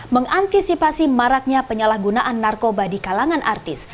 mengantisipasi maraknya penyalahgunaan narkoba di kalangan artis